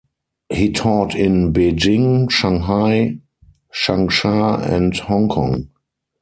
He taught in Beijing, Shanghai, Changsha and Hong Kong.